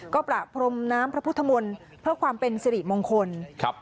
ก็ประพรมน้ำพระพุทธมนต์เพื่อความเป็นสิริมงคล